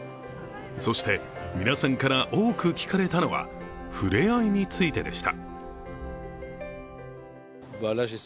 そして、皆さんから多く聞かれたのはふれあいについてでした。